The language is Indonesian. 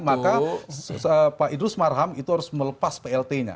maka pak idrus marham itu harus melepas plt nya